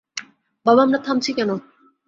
বাবা, আমরা থামছি কেন?